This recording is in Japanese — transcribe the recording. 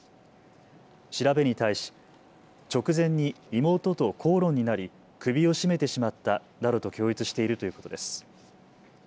調べに対し直前に妹と口論になり首を絞めてしまったなどと供述しているということです。